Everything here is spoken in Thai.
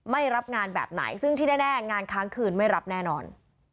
ไม่รับงานแบบไหนซึ่งที่แน่งานค้างคืนไม่รับแน่นอน